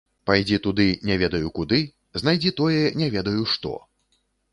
Пайдзі туды, не ведаю куды, знайдзі тое, не ведаю што.